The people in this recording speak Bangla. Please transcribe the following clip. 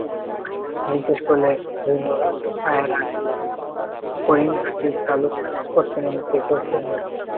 জিজ্ঞাসা করলে, ভূষণ রায়রা করিমহাটি তালুক পত্তনি নিতে চেয়েছিল না?